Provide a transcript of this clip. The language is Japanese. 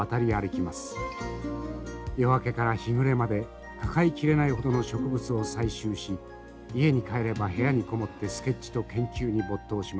夜明けから日暮れまで抱え切れないほどの植物を採集し家に帰れば部屋に籠もってスケッチと研究に没頭しました。